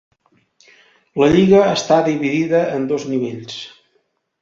La lliga està dividida en dos nivells.